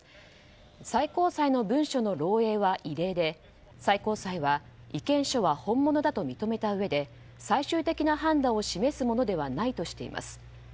最高裁の文書の漏洩は異例で最高裁は意見書は本物だと認めたうえで最終的な判断を示すものではないとしています。